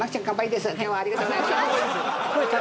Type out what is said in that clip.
今日はありがとうございます。